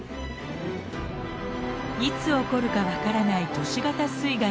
いつ起こるか分からない都市型水害の危険性。